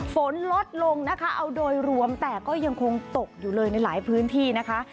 ฝนลดลงนะคะเอาโดยรวมแต่ก็ยังคงตกอยู่เลยในหลายพื้นที่นะคะ